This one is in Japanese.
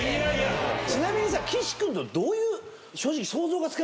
ちなみにさ岸君とどういう。